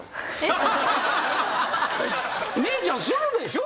姉ちゃんするでしょ？